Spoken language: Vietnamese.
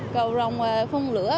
cầu rồng phun lửa